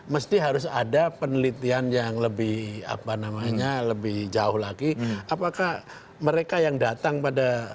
mesti harus ada penelitian yang lebih apa namanya lebih jauh lagi apakah mereka yang datang pada